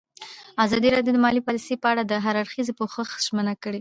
ازادي راډیو د مالي پالیسي په اړه د هر اړخیز پوښښ ژمنه کړې.